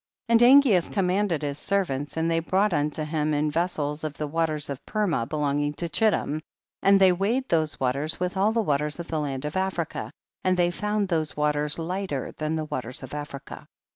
20. And Angeas commanded his servants, and they brought unto him in vessels of the waters of Purmah belonging to Chittim, and they weighed those waters with all the waters of the land of Africa and they found those waters lighter than the waters of Africa.